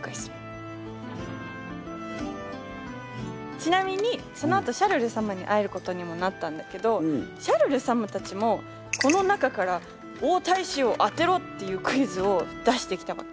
ちなみにそのあとシャルル様に会えることにもなったんだけどシャルル様たちもこの中から王太子を当てろっていうクイズを出してきたわけ。